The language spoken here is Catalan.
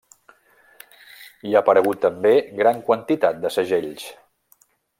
Hi ha aparegut també gran quantitat de segells.